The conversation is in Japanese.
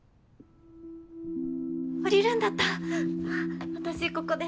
降りるんだった私ここで。